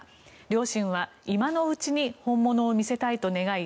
両親は今のうちに本物を見せたいと願い